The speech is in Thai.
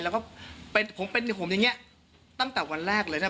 แล้วก็เป็นผมเป็นผมอย่างนี้ตั้งแต่วันแรกเลยนะ